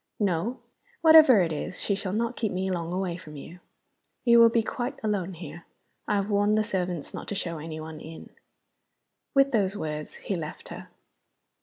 "No. Whatever it is, she shall not keep me long away from you. You will be quite alone here; I have warned the servants not to show any one in." With those words he left her.